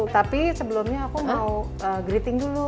tapi sebelumnya aku mau greeting dulu